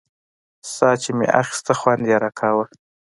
ساه چې مې اخيستله خوند يې راکاوه.